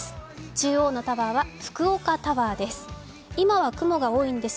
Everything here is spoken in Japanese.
中央のタワーは福岡タワーです。